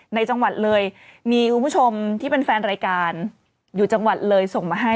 จังหวัดเลยมีคุณผู้ชมที่เป็นแฟนรายการอยู่จังหวัดเลยส่งมาให้